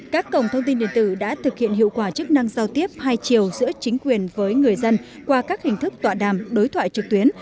các cổng thông tin điện tử đã thực hiện hiệu quả chức năng giao tiếp hai chiều giữa chính quyền với người dân qua các hình thức tọa đàm đối thoại trực tuyến